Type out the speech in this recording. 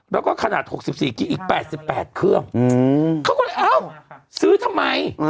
แล้วก็ขนาด๖๔กินอีก๘๘เครื่องเขาก็เลยเอ้าซื้อทำไม